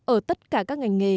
ở tất cả các ngành nghề